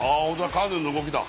カヌーの動きだ。